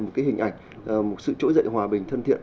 một cái hình ảnh một sự trỗi dậy hòa bình thân thiện